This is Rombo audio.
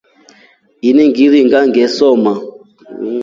Ini ngilinda nginesoma.